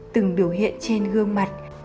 từng biểu hiện trên gương mặt